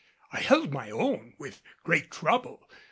I held my own with great trouble.